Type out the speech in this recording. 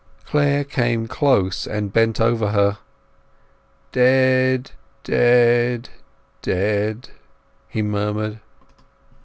Clare came close, and bent over her. "Dead, dead, dead!" he murmured.